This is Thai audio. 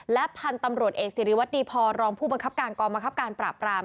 และพันธุ์ตำรวจเอกสิริวัตรดีพอรองผู้บังคับการกองบังคับการปราบราม